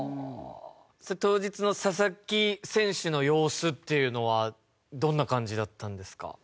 それ当日の佐々木選手の様子っていうのはどんな感じだったんですか？